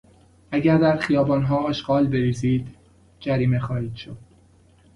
اگر در خیابانها آشغال بریزید، جریمه خواهید شد.